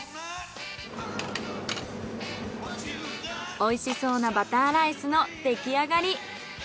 おいしそうなバターライスの出来あがり。